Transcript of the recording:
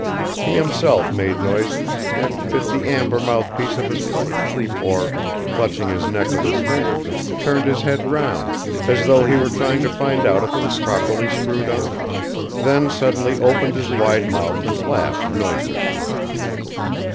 He himself made noises and bit the amber mouthpiece of his pipe, or, clutching his neck with his fingers, turned his head round, as though he were trying to find out if it was properly screwed on, then suddenly opened his wide mouth and laughed noiselessly.